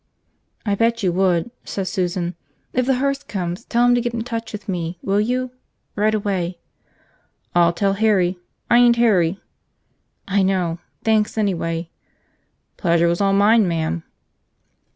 "I bet you would," said Susan. "If the hearse comes, tell him to get in touch with me. Will you? Right away." "I'll tell Harry, I ain't Harry." "I know. Thanks anyway." "Pleasure was all mine, ma'am."